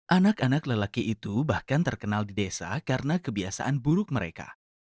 anak anak lelaki itu bahkan terkenal di desa karena kebiasaan buruk mereka